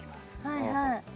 はいはい。